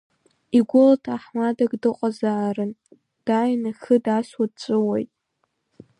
Игәыла ҭаҳмадак дыҟазаарын, дааин ихы даасуа дҵәуеит.